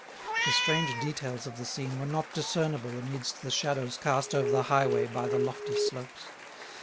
The strange details of the scene were not discernible amidst the shadows cast over the highway by the lofty slopes.